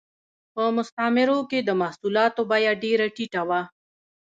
په مستعمرو کې د محصولاتو بیه ډېره ټیټه وه